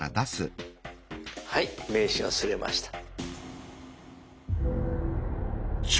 はい名刺が刷れました。